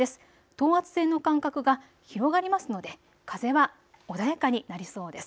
等圧線の間隔が広がりますので風は穏やかになりそうです。